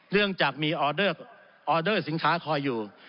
เรื่องจากมีออเดอร์สินค้าคอยอยู่